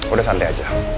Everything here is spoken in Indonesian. udah santai aja